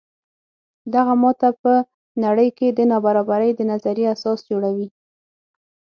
دغه ماته په نړۍ کې د نابرابرۍ د نظریې اساس جوړوي.